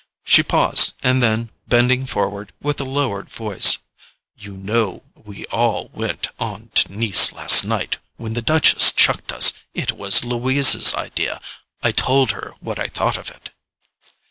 She paused, and then, bending forward, with a lowered voice: "You know we all went on to Nice last night when the Duchess chucked us. It was Louisa's idea—I told her what I thought of it."